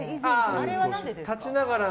あれは何でですか？